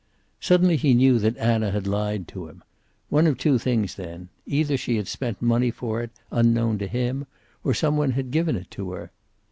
Suddenly he knew that Anna had lied to him. One of two things, then: either she had spent money for it, unknown to him, or some one had given it to her.